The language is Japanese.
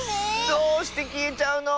どうしてきえちゃうの？